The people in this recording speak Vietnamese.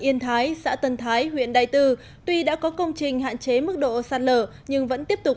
yên thái xã tân thái huyện đại từ tuy đã có công trình hạn chế mức độ sạt lở nhưng vẫn tiếp tục